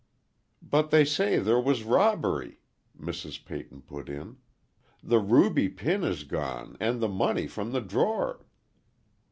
"But they say there was robbery," Mrs. Peyton put in. "The ruby pin is gone and the money from the drawer."